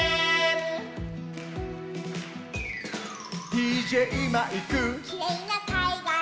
「ＤＪマイク」「きれいなかいがら」